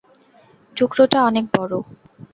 টুকরোটা অনেক বড়ো।